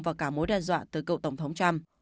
và cả mối đe dọa tới cựu tổng thống trump